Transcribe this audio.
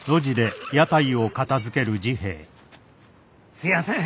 すいやせん。